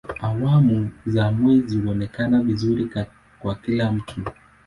Awamu za mwezi huonekana vizuri kwa kila mtu.